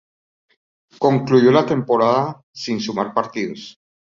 Concluyó la temporada sin sumar partidos.